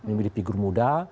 memilih figur muda